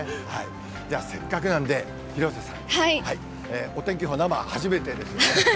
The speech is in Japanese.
では、せっかくなんで、広瀬さん、お天気予報、生、初めてですよね。